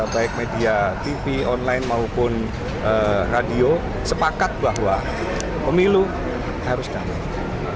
baik media tv online maupun radio sepakat bahwa pemilu harus damai